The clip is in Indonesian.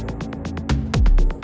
aku mau ke rumah